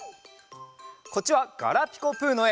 こっちはガラピコぷのえ。